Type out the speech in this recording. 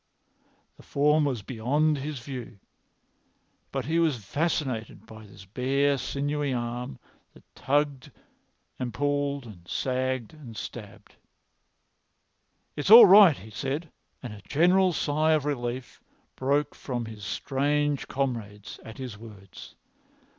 The form was beyond his view, but he was fascinated by this bare sinewy arm which tugged and pulled and sagged and stabbed. "It's all right," he said, and a general sigh of relief broke from his strange comrades at his words.